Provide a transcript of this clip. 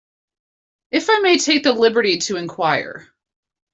If I may take the liberty to inquire.